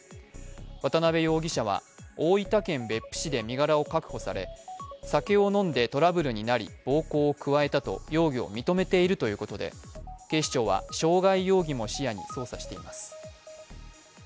渡辺容疑者は大分県別府市で身柄を確保され、酒を飲んでトラブルになり暴行を加えたと容疑を認めているということで警視庁は傷害容疑も視野に捜査しています。